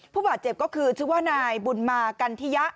ผู้บาดเจ็บก็คือชื่อว่านายบุญมากันทิยะ